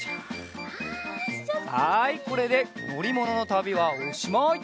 はいこれでのりもののたびはおしまい！